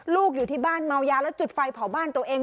อยู่ที่บ้านเมายาแล้วจุดไฟเผาบ้านตัวเอง